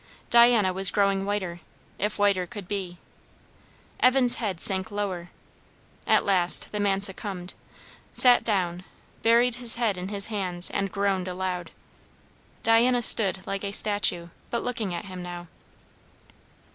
Diana was growing whiter, if whiter could be; Evan's head sank lower. At last the man succumbed; sat down; buried his head in his hands, and groaned aloud. Diana stood like a statue, but looking at him now.